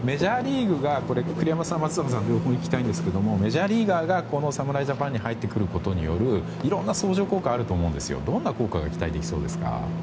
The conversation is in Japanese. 栗山さん、松坂さん両方にこれは聞きたいんですけどメジャーリーガーが侍ジャパンに入ってくることによるいろんな相乗効果があると思うんですがどんな効果が期待できそうですか？